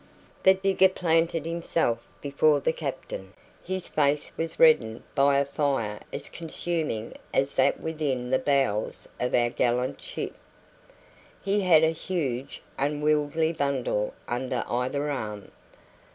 The digger planted himself before the captain. His face was reddened by a fire as consuming as that within the bowels of our gallant ship. He had a huge, unwieldy bundle under either arm.